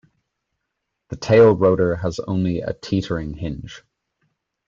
The tail rotor has only a teetering hinge.